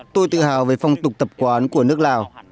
tôi tự hào về phong tục tập quán của nước lào